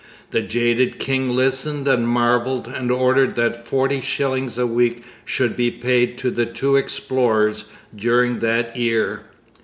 The jaded king listened and marvelled, and ordered that forty shillings a week should be paid to the two explorers during that year.